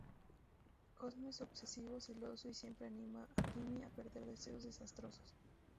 Cosmo es obsesivo, celoso y siempre anima a Timmy a pedir deseos desastrosos.